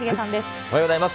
おはようございます。